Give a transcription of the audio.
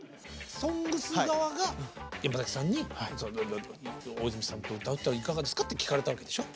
「ＳＯＮＧＳ」側が山崎さんに大泉さんと歌うっていかがですか？って聞かれたわけでしょ？